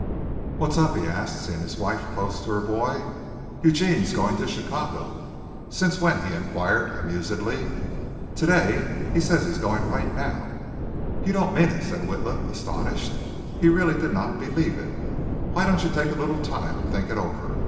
"What's up?" he asked, seeing his wife close to her boy. "Eugene's going to Chicago." "Since when?" he inquired amusedly. "Today. He says he's going right now." "You don't mean it," said Witla, astonished. He really did not believe it. "Why don't you take a little time and think it over?